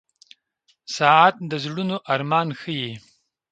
• ساعت د زړونو ارمان ښيي.